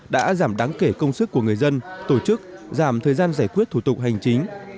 đã giảm đáng kể công sức của người dân tổ chức giảm thời gian giải quyết thủ tục hành chính